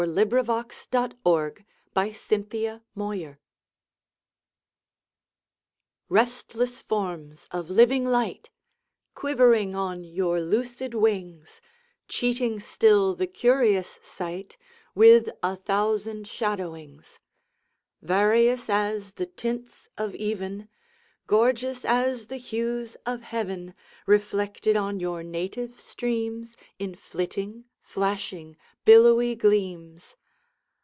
U V . W X . Y Z Address to Certain Golfishes RESTLESS forms of living light Quivering on your lucid wings, Cheating still the curious sight With a thousand shadowings; Various as the tints of even, Gorgeous as the hues of heaven, Reflected on you native streams In flitting, flashing, billowy gleams!